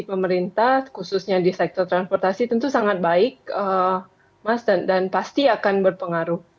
pemerintah khususnya di sektor transportasi tentu sangat baik mas dan pasti akan berpengaruh